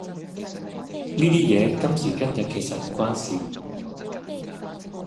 呢啲嘢今時今日其實唔關事